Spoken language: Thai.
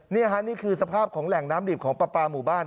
นี่คือสภาพของแหล่งน้ำดิบของปปาหมู่บ้าน